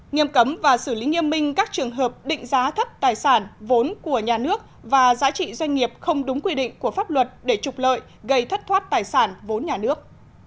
nghiêm cấm và xử lý nghiêm minh các trường hợp định giá thấp tài sản vốn của nhà nước và giá trị doanh nghiệp không đúng quy định của pháp luật để trục lợi gây thất thoát tài sản vốn nhà nước